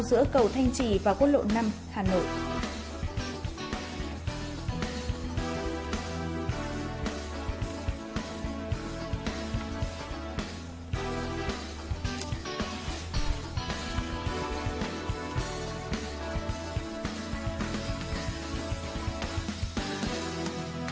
giữa cầu thanh trì và quốc lộ năm hà nội